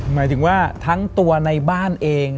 หมายถึงว่าทั้งตัวในบ้านเอง